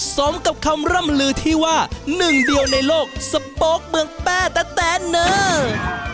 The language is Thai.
สมกับคำร่ำลือที่ว่าหนึ่งเดียวในโลกสโป๊กเมืองแป้แต่เนอร์